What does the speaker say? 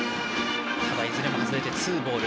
いずれも外れてツーボール。